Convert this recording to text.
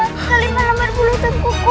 ya kaliman amat bulu tengkuku